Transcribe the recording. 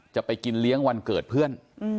จะไปกินเลี้ยงวันเกิดเพื่อน